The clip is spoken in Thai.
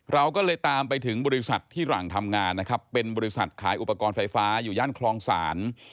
เราก็เลยตามไปถึงบริษัทที่หลังทำงานนะครับเป็นบริษัทขายอุปกรณ์ไฟฟ้าอยู่ย่านคลองศาล